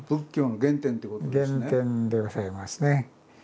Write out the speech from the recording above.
原点でございますね。